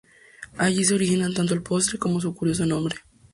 Allí se originan tanto el postre como su curioso nombre.